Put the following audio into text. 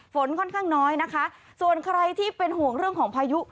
ฝนค่อนข้างน้อยนะคะส่วนใครที่เป็นห่วงเรื่องของพายุ